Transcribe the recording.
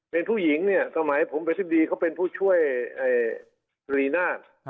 เป็นผู้หญิงเนี่ยสมัยผมเป็นอธิบดีเขาเป็นผู้ช่วยรีนาศ